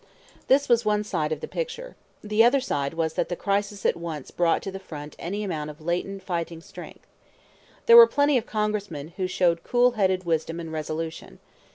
This was one side of the picture. The other side was that the crisis at once brought to the front any amount of latent fighting strength. There were plenty of Congressmen who showed cool headed wisdom and resolution.